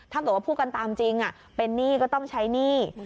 ถ้าเกิดว่าพูดกันตามจริงเป็นหนี้ก็ต้องใช้หนี้